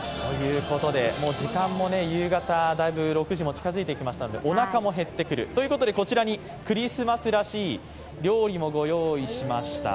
時間も夕方、だいぶ６時も近づいてきましたのでおなかもへってくるということでこちらにクリスマスらしい料理もご用意しました。